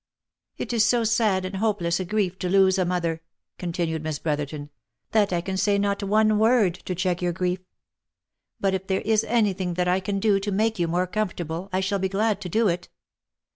" It is so sad and hopeless a grief to lose a mother," continued Miss Brotherton, " that I can say not one word to check your grief. But if there is any thing that I can do to make you more comfortable, I shall be glad to do it.